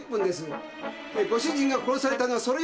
えーご主人が殺されたのはそれより前！